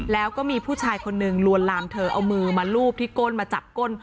แล้วก็มีผู้ชายคนนึงลวนลามเธอเอามือมาลูบที่ก้นมาจับก้น